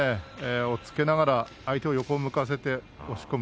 押っつけながら相手を横向かせて押し込む。